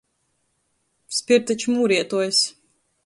Spirta čmūrietuojs.